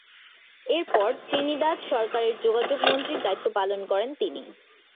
এরপর ত্রিনিদাদ সরকারের যোগাযোগ মন্ত্রীর দায়িত্ব পালন করেন তিনি।